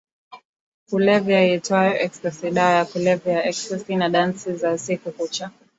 kulevya iitwayo ecstasy Dawa ya Kulevya ya Ecstasy na Dansi za Usiku Kucha